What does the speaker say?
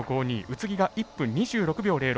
宇津木が１分２６秒０６。